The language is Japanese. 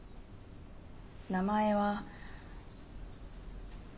名前は。